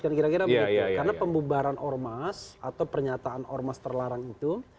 karena pembubaran ormas atau pernyataan ormas terlarang itu